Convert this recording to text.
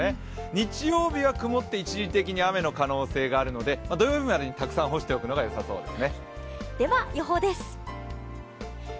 日曜日は曇って一時的に雨の可能性があるので土曜日までにたくさん干しておくのがよさそうですね。